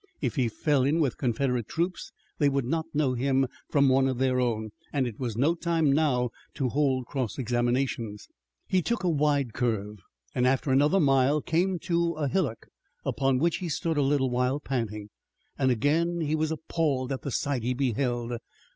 If he fell in with Confederate troops they would not know him from one of their own, and it was no time now to hold cross examinations. He took a wide curve, and, after another mile, came to a hillock, upon which he stood a little while, panting. Again he was appalled at the sight he beheld.